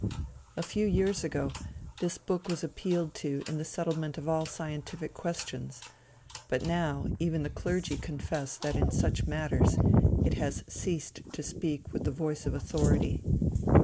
A few years ago, this book was appealed to in the settlement of all scientific questions; but now, even the clergy confess that in such matters, it has ceased to speak with the voice of authority.